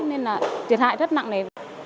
nên là thiệt hại rất nặng nề